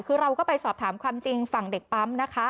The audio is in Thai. คือเราก็ไปสอบถามความจริงฝั่งเด็กปั๊มนะคะ